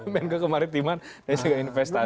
menko kemarin timan dan juga investasi